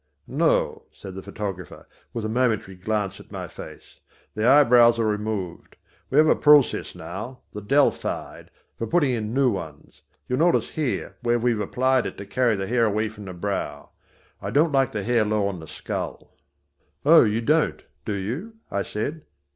"No," said the photographer, with a momentary glance at my face, "the eyebrows are removed. We have a process now the Delphide for putting in new ones. You'll notice here where we've applied it to carry the hair away from the brow. I don't like the hair low on the skull." "Oh, you don't, don't you?" I said.